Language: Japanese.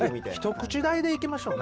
一口大でいきましょう。